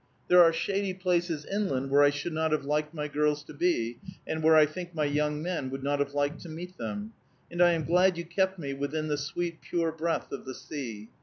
There are shady places inland where I should not have liked my girls to be, and where I think my young men would not have liked to meet them; and I am glad you kept me within the sweet, pure breath of the sea.